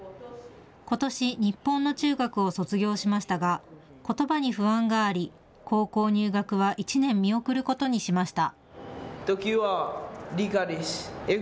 ことし、日本の中学を卒業しましたがことばに不安があり、高校入学は１年見送ることにしました。